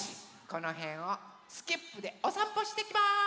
このへんをスキップでおさんぽしてきます！